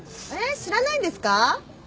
知らないんですか？